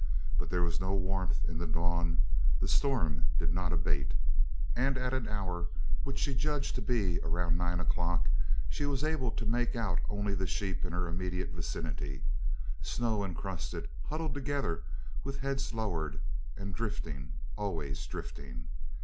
But there was no warmth in the dawn, the storm did not abate, and at an hour which she judged to be around nine o'clock she was able to make out only the sheep in her immediate vicinity, snow encrusted, huddled together with heads lowered, and drifting, always drifting.